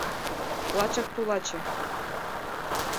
Лачак тулаче